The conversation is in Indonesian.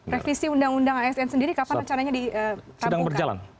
revisi undang undang asn sendiri kapan acaranya ditambungkan